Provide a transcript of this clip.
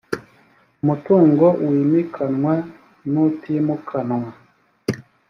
umutungo wimikanwa n utimukanwa